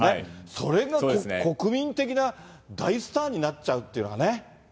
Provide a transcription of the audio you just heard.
それが国民的な大スターになっちゃうっていうのはね。